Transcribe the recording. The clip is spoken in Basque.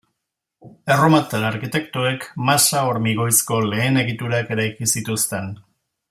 Erromatar arkitektoek masa-hormigoizko lehen egiturak eraiki zituzten.